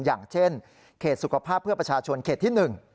อย่างเช่นเขตสุขภาพเพื่อประชาชนเขตที่๑